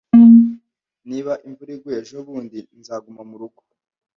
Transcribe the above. Niba imvura iguye ejobundi, nzaguma murugo.